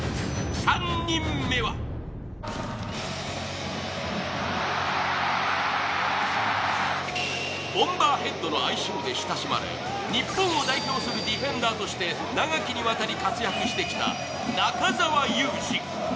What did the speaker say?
３人目はボンバーヘッドの愛称で親しまれ、日本を代表するディフェンダーとして長きにわたり活躍してきた中澤佑二。